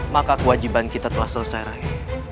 maka kewajiban kita telah selesai raih